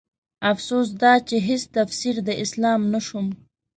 افسوس دا چې هيڅ تفسير د اسلام نه شوم